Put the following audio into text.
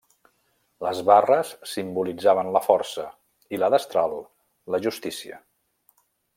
Les barres simbolitzaven la força, i la destral la justícia.